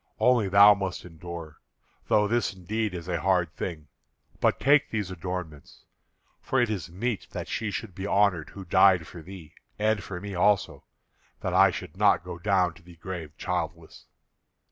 Only thou must endure, though this indeed is a hard thing. But take these adornments, for it is meet that she should be honoured who died for thee, and for me also, that I should not go down to the grave childless."